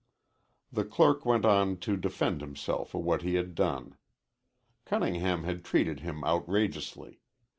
The clerk went on to defend himself for what he had done. Cunningham had treated him outrageously.